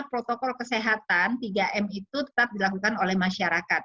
protokol kesehatan tiga m itu tetap dilakukan oleh masyarakat